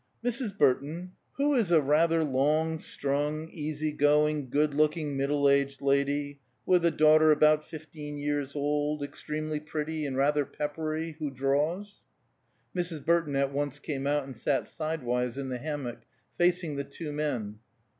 "Mrs. Burton, who is rather a long strung, easy going, good looking, middle aged lady, with a daughter about fifteen years old, extremely pretty and rather peppery, who draws?" Mrs. Burton at once came out, and sat sidewise in the hammock, facing the two men.